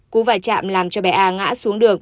cú vài chạm làm cho bé a ngã xuống đường